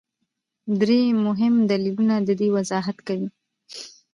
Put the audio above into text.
درې مهم دلیلونه د دې وضاحت کوي.